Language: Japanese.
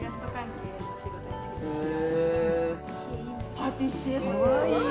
パティシエかわいい。